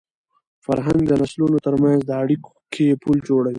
فرهنګ د نسلونو تر منځ د اړیکي پُل جوړوي.